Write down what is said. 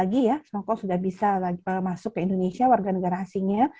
termasuk afrika selatan hongkong sudah tidak lagi ya hongkong sudah bisa masuk ke indonesia warga negara asingnya